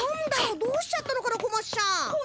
どうしちゃったのかな小町ちゃん。